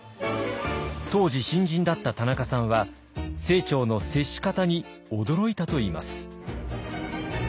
当時新人だった田中さんは清張の接し方に驚いたといいます。